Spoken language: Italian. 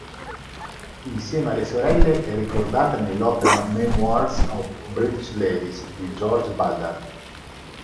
Insieme alle sorelle è ricordata nell'opera "Memoirs of British Ladies" di George Ballard.